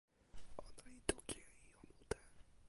ona li toki e ijo mute.